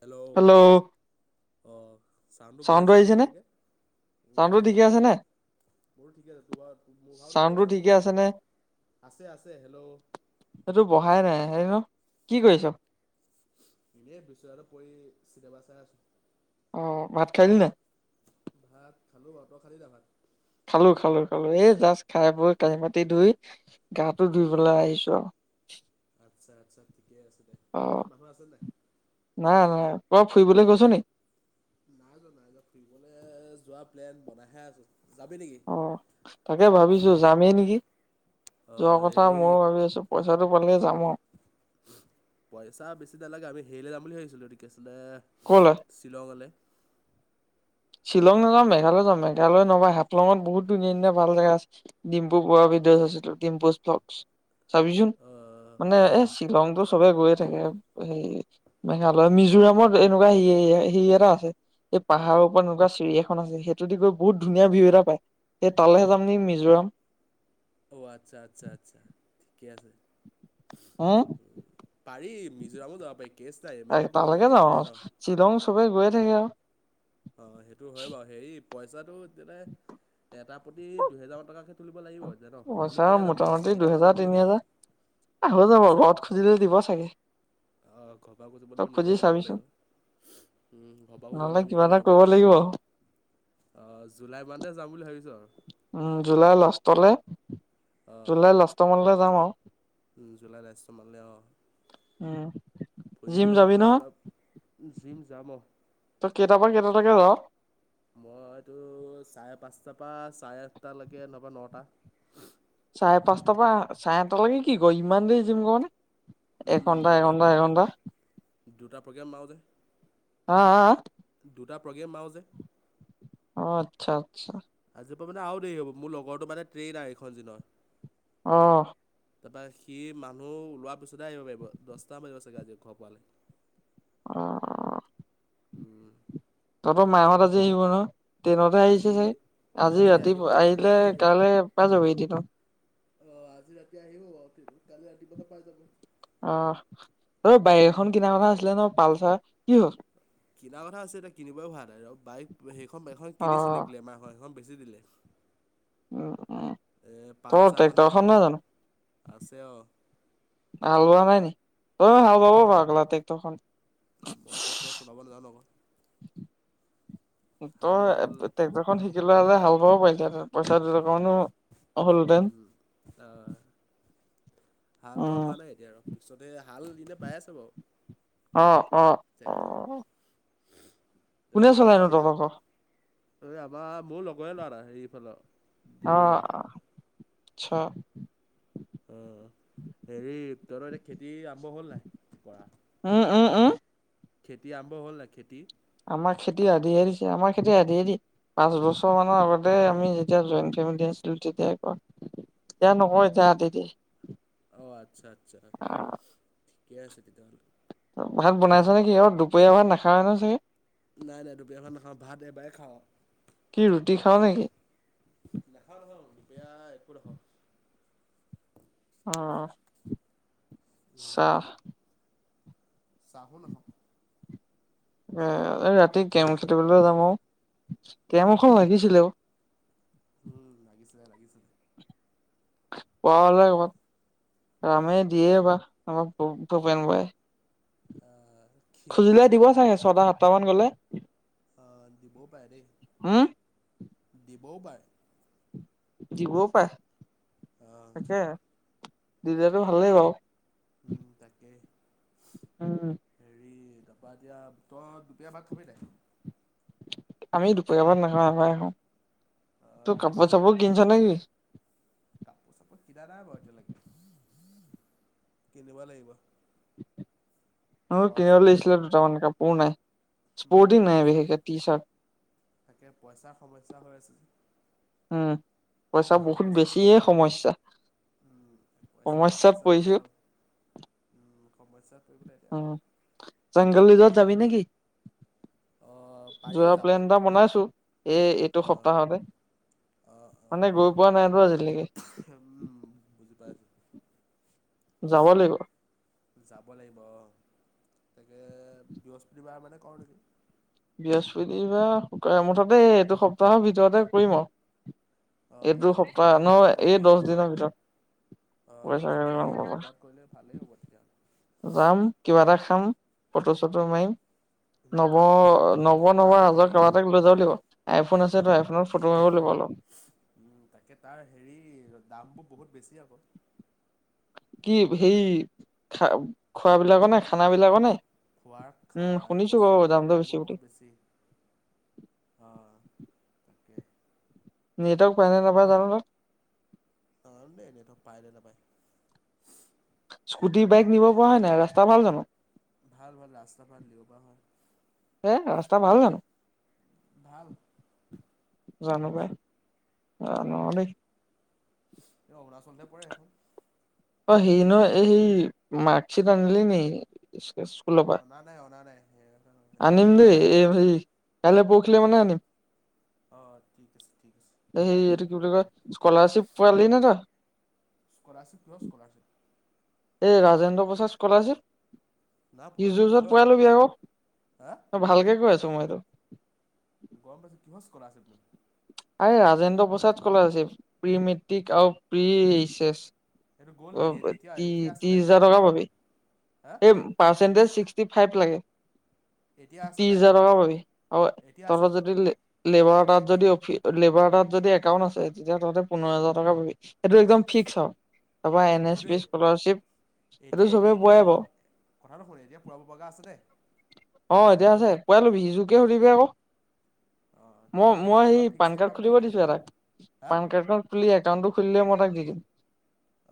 Hello অহ চাউনণ্টো গৈ চাউণ্ডটো আছে নহয় আহিছেনে ভালকে। উম চাউণ্ডটো আহিছে ঠিকে আহিছে আছে নে মোৰটো ঠিকে আছে তোমাৰ মোৰ ভাগৰটো গৈ চাউণ্ডটো আছেনে ঠিকে তোলে আছে নে আছে আছে হেল্ল'। সেইটো বঢ়াই নাই হেৰি ন কি কৰি আছ? এনেই বিচনাতে পৰি চিনেমা চাই আছো। অ ভাত খালি নাই? ভাত খালো বা তই খালি নাই ভাত? খালো খালো খালো এই জাষ্ট খাই বৈ কাঁঢ়ি-বাতি ধুই গাটো ধুই পেলাই আহিছো আৰু। আচ্ছা আচ্ছা- ঠিকে আছে দে। অ ঘৰত মানুহ আছে নে নাই? নাই নাই তই ফুৰিবলৈ গৈছ নি? নাই যোৱা নাই যোৱা ফুৰিবলৈ যোৱা প্লেন বনাই হে আছো। অ তাকে ভাবিছো যামেই নেকি। যোৱা অঁ কথা এই মইয়ো ভাবি আছো পইচাটো- পালে যাম আৰু। পইচা বেছি নালাগে আমি হেৰিলৈ যাম বুলি ভাবিছিলো। এইটো কি আছিলে কলৈ শ্বিলঙলৈ। শ্বিলং নাযাওঁ মেঘালয় যাওঁ মেঘালয় নহবা হাফলংত বহুত ধুনীয়া ধুনীয়া ভাল জেগা আছে ডিম্পু বড়া ভিডিঅ' চাইছিলো ডিম্পুচ ব্লগ। চাবিচোন অঁ মানে অঁ এ- শ্বিলংতো চবে গৈয়ে থাকে সে মেঘালয় মিজোৰামত এনেকুৱা হ হি এটা আছে এই পাহাৰ- এনেকুৱা চিৰি এখন আছে সেইটো দি গৈ বহুত ধুনীয়া ভিউ এটা পায়। সেই তালৈহে যাম নি মিজোৰাম। অঁ আচ্ছা আচ্ছা আচ্ছা ঠিকেই আছে। উম পাৰি মিজোৰামো যাব পাৰি কেছ নাই ইমান একো তালৈকে হেৰি যাওঁ নাই ন। আৰু শ্বিলং চবেই গৈ থাকে আৰু। অ সেইটো হয় বাৰু হেৰি- পইচাটো তেনে- এটা প্ৰতি দুহেজাৰ টকাকে - তুলিব লাগিবই পইচা মোটামুটি দুহেজাৰ তিনি হেজাৰ আহ হৈ অ' যাব চাই ঘৰত খুজিলে দিব চাগে। অ ঘৰপা তই খুজিবলৈ খুজি নিজেও মিলাব চাবিচোন লাগিব উম ঘৰপাও নহ'লে খুজিবলৈ কিবা নিজেও এটা মিলাব কৰিব লাগিব লাগিব। অহ জুলাই মানতে যাম বুলি ভাবিছোঁ আও উম জুলাই লাষ্টলে জুলাই লাষ্ট মানলে- যাওঁ আও উম জুলাই লাষ্ট সোমালে যাবা উম অ জিম ফুৰিবলে যাবি নহয় জিম জাম তই কেইটাৰ পৰা কেইটা লৈকে ৰ? মই এইটো চাৰে, পাঁচটাৰ পৰা চাৰে আঠটালৈকে নবা নটা চাৰে পাঁচটাৰ পৰা চাৰে আঠটা লাগে কি ক ইমান দেৰি জিম কৰা নে? উম, এঘন্টা দুটা এঘন্টা এঘন্টা দুটা প্ৰগ্ৰেম মাৰো যে। আহ দুটা প্ৰগ্ৰেম মাৰো যে। অ, আচ্ছা আচ্ছা। জপা মানে আৰু দেৰি হ'ব মোৰ লগৰটো মানে ট্ৰেইন আৰু এইখন দিনৰ আহ। তাৰপৰা সি মানুহ ওলোৱা পিছত সদায় আহিব পাৰিব, দছটা বা কা যে ঘৰ পালে আহ। উম। তহঁতোৰ মাহঁত আজি আহিব ন? ট্ৰেইনতে আহিছে আজি চাণগে, আজি ৰাতি আহিব আহিলে ৰাতি আহিব। কাইলৈ পাই যাব এদিনত অ আজি ৰাতি আহিব বাৰু, কালি ৰাতিপুৱা পাই যাব। অ ৰ বাইক এখন কিনা কথা আছিলে ন পালচাৰ? কি হল? কিনাৰ কথা আছে এতিয়া কিনিবও ভাল নাই আৰু বাইক সেইখন বাইকখন অ কিনিছিলে কিমাৰ হয়। এখন বেছি দিলে। উম। উম এ তই পালচাখনহে ট্ৰেক্টৰখন কিনিব, নহয় জানো আছে অ। হালোৱা নাই নি অ হাল বাব হা ভাল টেক্টৰখন মই ট্ৰেক্টৰ চলাব নাজানো আকৌ হাল বাবল তই ট্ৰেক্টৰ খন শিকিলোৱা হ'লে হাল বাবও পাৰিছ ত পইচাটো লগকাওনো অহলদন উম, অ'। হাল বোৱা হোৱা নাই এতিয়া আৰু পিছতে হাল এনে বাই আছে বাৰু। অ অ অ তাকে। কোনে তেখেতেৰ অ চলাইনো খেতি, তহঁতৰ ঘৰ এই আমাৰ মোৰ লগযৰ লৰা এইফালৰ দেউৰীগাও ছা উম উম হেৰি তহতৰ এতিয়া খেতি আৰম্ভ হ'ল নাই কৰা উম উম- খেতি, আৰম্ভ হ'ল নাই খেতি, - আমাৰ খেতি আধিয়ে দিছে আমাৰ খেতি আধিয়ে দিয়ে পাঁচ বছৰ মানৰ আগতে আমি যেতিয়া জইণ্ট ফেমিলি আছিলো তেতিয়া কয় এতিয়া নকয় যে আধি দিয়ে। অ আচ্ছা আচ্ছা ঠিকেই আছে তেতিয়া হ'লে ভাত বনাইছ নেকি অ দুপৰীয়া ভাত নাখাও নেকি নাই নাই দুপৰীয়া ভাত নাখাওঁ ভাত এবাৰে খাওঁ কি ৰুটি খাও নেকি নেখাওঁ নেখাওঁ দুপৰীয়া একো নেখাওঁ অ অ অ চাহ চাহো নাখাওঁ এ ৰাতি কেম খাটিবলৈ যাম অ কেম এখন লাগিছিলে‌ অ উম লাগিছিলে লাগিছিলে এ পাওৱাৰ লাগিব ৰামে দিয়ে বা আমাৰ ভূক্ত আহ কি খুজিলে দিব চাগে ছটা সাত বৰ্তমান গ'লে অ দিবৌ পায়ে দেই উম দিবৌ পাৰে দিবৌ পায়ে অ', তাকেহে দিলেতো ভালেই বাও উম তাকে উম হেৰি তাপা এতিয়া তই দুপৰীয়া ভাত খাবি নাই আমি দুপৰীয়া ভাত নাখাওঁ এবাৰে খাও আ ৰাতিপুৱা কিহে নেকি কাপোৰ চাপোৰ কিনা নাই বাৰু এতিয়ালৈকে কিনিব লাগিব মোৰ পইচা কিনিব পাতি লাগিছিলে নাই দুটামান কাপোৰ নাই উম স্পৰ্টিং নাই পইচা বিশেষকে টি তাকে পইচাৰ সমস্যা চাৰ্ট হৈ আছে যে উম পইচা এই বহুত সমস্যাত বেছিয়ে সমস্যা উম পইচা সমস্যাত সমস্যাটো য পৰিছো উম সমস্যাত পৰিবলৈ এতিয়া উম জংগলীজত যাবি নেকি আহ পাৰি যোৱা যাব প্লেন এটা বনাইছো এই এইটো আহ সপ্তাহতে অঁ মানে অঁ গৈ পোৱা নাইতো আজিলৈকে বাহ যাব লাগিব যাব লাগিব অ তাকে বৃহস্পতিবাৰ মানে কৰওঁ নেকি বৃহস্পতিবাৰুক মুঠতে এইটো সপ্তাহৰ ভিতৰতে কৰিম আও অ অ এইটো সপ্তাহৰ ভিতৰতে এই কৰিবি, দহ দিনৰ ভিতৰত অ অ পইচা ঠিকে কেইটামান আছে এইটো পাবা সপ্তাহত কৰিলে ভালেই হ'ব তেতিয়াহ'লে যাম কিবা এটা খাম ফটো চটো মাৰিম। উ নৱ তাত নৱ উ নৱ তাত ৰাজৰ হেৰি কাৰোবা এটাক লৈ যাব লাগিব আইফোন অ আছেতো আইফোনত তাকে ফটো মাৰিব লাগিব অলপ উ তাকে তাৰ হেৰি দামবোৰ বহুত বেছি আক কি সেই খা খোৱাবিলাকৰ নে? খানা বিলাকৰ অ নে খোৱাৰ খা উম শুনিছো বাৰু বস্তুবিলাকৰ দামটো দামবোৰ বুলি বহুত বেছি। অ কে নটৱক পায় নে নাপায় জাগা তত সন্দেহ নেটৱৰ্ক পাই নে নাপায়। উম, তা ভাল জানো ভাল ভাল ৰাস্তা ভাল লিও কৰা হে হয়, ৰাস্তা ভাল জানো ভাল জানো বা। জানো দেই এ অৰুণাচলতে পৰে এখন অ সেই নহ এই সেই মাৰ্কশ্বিট আনিলি নি স্কুলৰ পা। অনা নাই অনা নাই আনিম অনা দেই নাই এই সেই কাইলে পখিলে মানে আনিম। অঁ ঠিক আছে ঠিক আছে এই কাইলৈ এইটো কি পৰহিলৈ বুলি ওলাই কয় আনিম স্কলাৰশ্বিপ পোৱালি নে তই স্কলাৰশিপ কিহৰ স্কলাৰশিপ এই ৰাজেন্দ্ৰ প্ৰসাদ না স্কলাৰশ্বিপ পুৰা সযোৰ সেইটো ওচৰত কিহৰটো পোৱালবি হা আক ভালকে কে কয়। সময়টো গম পাইছো কিহৰ স্কলাৰশ্বিপ নো। আ Rajendra Prasad scholarship pre matric আৰু প্ৰি এইচ এচ সেইটো গ'ল নেকি এতিয়া এতিয়া আছ নাই এতিয়া হাজাৰ পৰা টকা পাই নাই। পাবি হা এই পাৰ্চেণ্টিজ ছি- ছিক্সটি ফাইভ লাগে। এতিয়া আছে ত্ৰিছ নাই হাজাৰ এইটো টকা পাবি আ এতিয়া তব আছে নাই? যদি লি লেবাৰ তাত যদি অফ লেবাৰ তাত যদি একাউণ্ট আছে, তেতিয়া তাহতে পোন্ধৰ হাজাৰ টকা পাবি সেইটো একদম ফিক্স আও। তাৰ পৰা এন এছ এইটো পি স্কলাৰশিপ সেইটো এতিয়া এতিয়া চবে এতিয়া পোৱাই পুৰা বাও। কথাটো শুন এতিয়া পূৰাব পৰাকে আছে নাই? অ এতিয়া আছে কোৱাই লবি সিজোকে সুধিবি আক। অঁ ঠিক মই আছে এইটো মই সেই পূৰা পান ফিক্সকৈ কাৰ্ড পাম খুলিব নেকি দিছো এটাক হা পান কাৰ্ডখন খুলি একাউণ্টটো খুলিলে মই তাক দি দিম।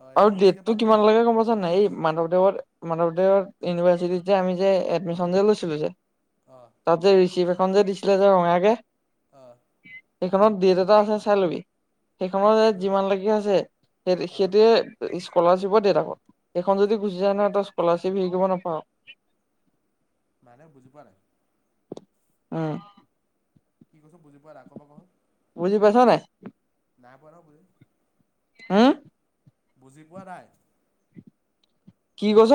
অঁ এইটো আৰু ফিক্সকৈ ডেটটো পাম কিমান নেকি লকে গম পাই চা নাই। এই- মাধৱদেৱত। মাধৱদেৱৰ ইউনিভাৰ্চিটিত যে আমি যে এডমিশচন যে লৈছিলো যে। অঁ তাত যে ঋচিভ। এখন যে দিছিলে যে ৰঙাকে? অহ। এইখনত দেট এটা আছে চাই লবি। সেইখনৰ কিহত যিমান লকে আছে, সেই অঁ সেইটোয়ে স্কলাৰশিপৰ দেত আক হেখন যদি গুচি যায় নহয় তয় স্কলাৰশ্বিপ হেৰী কৰিব নাপাওঁ। মানে বুজি পোৱা নাই। অহ। কি কৈছো বুজি পোৱা নাই আকৌ এবাৰ কঃসুন। বুজি পাইছ নাই? নাই পোৱা নহয় বুজি। হু? বুজি পোৱা নাই। কি কৈছ?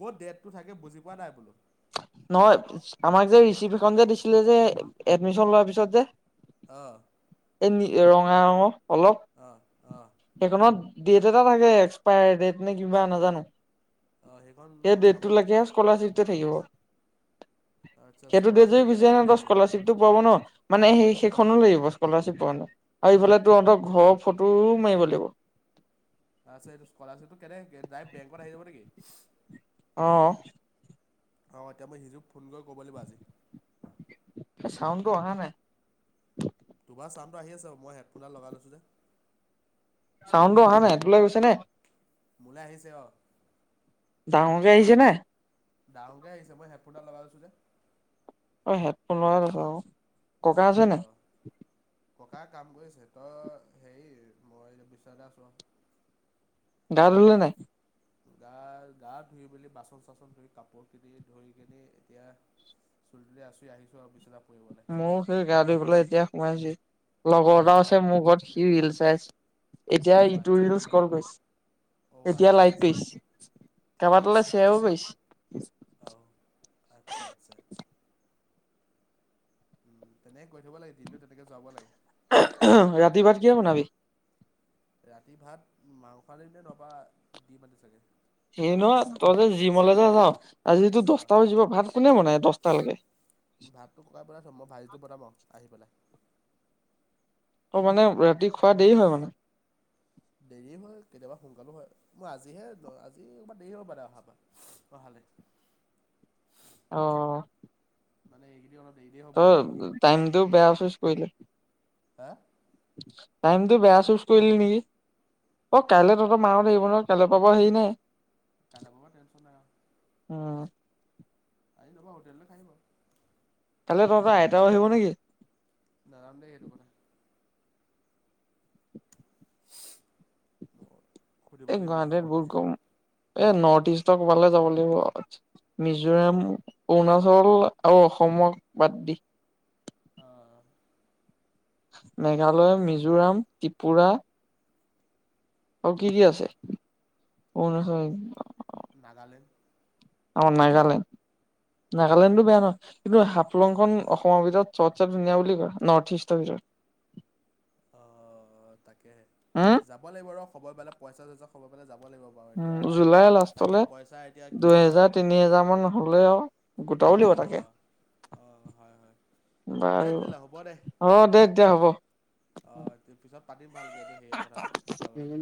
ক'ত ডেটটো থাকে বুজি পোৱা নাই বোলো। নহয় আমাক যে ৰিচিপ যে দিছিলে যে এডমিচন লোৱাৰ পিছত যে? অহ। এনি ৰঙা ৰঙৰ। অলপ, অঁ অঁ সেইখনত ডেট এটা থাকে এক্সপায়াৰ ডেট নে কিবা নাজানো। অঁ সেইখন সেই দেট চাব টো লাগিব লকে গৈ স্কলাৰশ্বিপ থাকিব। আচ্ছা সেইটো দেট যদি স্কলাৰশ্বিপটো গুচি যায় কেনেকৈ নহয় ত ক্লেইম কৰিম স্কলাৰশ্বিপটো পোৱাব ন। মানে সেই সেইখনো লাগিব স্কলাৰশ্বিপ পোৱা কাৰনে, আৰু ইফালে তহঁতক ঘৰৰ ফটোও মাৰিব লাগিব। আচ্ছা এটো স্কলাৰশ্বিপ টো কেনেকে ক্লেইম ডাইৰেক্ট বেংকত আহি যাব নেকি? অহ। অহ এতিয়া মই হিজো ফোন কৰী ক'ব লাগিব আজি। চাউণ্ডটো অহা নাই। তোমাৰ সৌন্দটো আহি আছে মই হেডফোনডটা লগাই লৈছোঁ যে। চাউণ্ডো অহা নাই, টোলৈ গৈছে নে? মোলৈ আহিছে অহ। ডাঙৰকে আহিছে নে? ডাঙকে আহিছে মই হেফুটা লগাই লৈছো যে। অহ হেডফোন লগাই লৈছে অহ। ক'কা আছে অ নাই? ক'কা কাম কৰি আছে। তই হেৰি মই বিশ্বনাতে আছো আৰু। গা ধূলে নাই? গা-গা ধুই মেলি বাচন চাচন ধু কাপোৰ কিনি ধৰি কিনি এতিয়া চুলি তুলি আছুৰি আহিছো আৰু বিছনা। ময়ো সেই গা ধুই পেলাই এতিয়া সোমাইছোহি লগৰ এটাও অঁ আছে মোৰ ঘৰত সি ৰীলছ ফেষ্ট এতিয়া অঁ ইটো আচ্ছা ৰিলচ আচ্ছা কল অঁ কৰিছে এতিয়া আচ্ছা লাইক আচ্ছা কৰিছে ঠিকে আছে কেবাতালে তেতিয়া শ্বেয়াৰো অঁ কৰিছে। আচ্ছা আচ্ছা উম তেনেকে কৈ থব লাগে দিনটো তেনেকে যোৱাব লাগে। ৰাতি ভাত কিহ বনাবি। ৰাতি ভাত মাংস আনিবে নবা দি মানে চাগে। সেই নহয় ততে জিমলে যে যাওঁ আজো অঁ দহটা বজিব ভাত কোনে বনায় দহটা লেকে। ভাতটো ককাই বনাইছোঁ মই ভাজিটো বনাম আৰু আহি পেলাই। অ মানে ৰাতি খোৱা দেৰি হয় মানে। দেৰি হয় কেতিয়াবা সোনকালো হয় মই আজিহে আজিবাৰ দেৰি হব পাৰে অহাৰ অহালৈ। অ। মানে এই কেইদিন অলপ দেৰি দেৰি ত হ'ব আৰু এই টাইম টো বেয়া আছ। কৰিলে হে। টাইমটো বেয়া চুচ কৰিলি নেকি। অ কাইলৈ তহঁত মা হত আহিব কাইলৈ পাব হি। নে কাইলেপা টেনচন নাই। উম, আহি লবা হোটেলতে খাই বা। কালি তহঁত আইতাও আহিব নেকি। নাজানো দে সেইটো কথা। সুধিব এই লাগিব আহিব গুৱাহাটীত নে বহু নাহে গৰম। এই নৰ্থ ইষ্টকবালে যাব লাগিব মিজোৰাম অৰুণাচল আৰু অসমক বাদ দি। অ। মেঘালয় সেইটোৱেই মিজোৰাম। ত্ৰিপুৰা। অ কি কি আছে অৰুনাচল। নাগালেণ্ড। অ নাগালেণ্ড। অ'। নাগালেণ্ডো বেয়া ন। কিন্তু হাফলংখন অসমৰ ভিতৰত চবচে চব ধুনীয়া বুলি কয় নৰ্থ ইষ্টৰ ভিতৰত। অ তাকেহে উম যাব লাগিব ৰ। সময় পালে পইছা চইচা সময় পাই যাম। উম জুলাই লাষ্টলে পইচা এতিয়া কি হয় আৰু দুহেজাৰ তিনি হেজাৰ মান হলে আৰু গোটাব লাগিব তাকে অ' অ' হয় হয়। দে বাৰু তেতিয়াহ'লে হ'ব দে অ হব দে তেতিয়া হ'ব। অ তাৰ পিছত। দিম ভালকে এইটো সেই কথাটো ফুৰালে